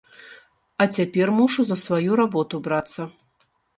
А цяпер мушу за сваю работу брацца.